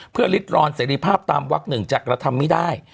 เพื่อลิดรอนเสรีภาพตามวักหนึ่งจะกระทำไม่ได้